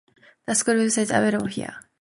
The school website is available here.